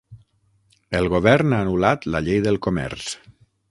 El govern ha anul·lat la llei del comerç.